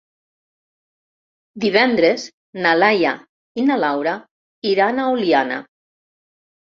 Divendres na Laia i na Laura iran a Oliana.